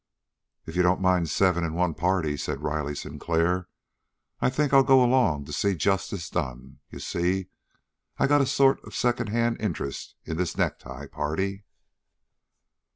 "If you don't mind seven in one party," said Riley Sinclair, "I think I'll go along to see justice done. You see, I got a sort of secondhand interest in this necktie party."